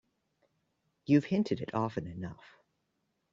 You've hinted it often enough.